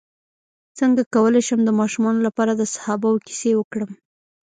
څنګه کولی شم د ماشومانو لپاره د صحابه وو کیسې وکړم